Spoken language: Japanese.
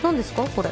これ。